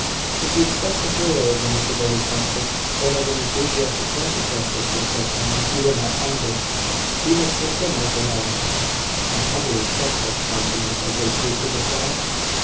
If you expect the heroism of devoted friendship, or of an enthusiastic sense of justice from such men, you will not find it. We must take them as they are." "And humbly accept such countenance as they choose to bestow?"